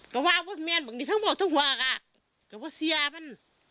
ก็ว่าว่าแม่มันบางนี้ทั้งบอกทั้งหวากอ่ะก็ว่าเสียมัน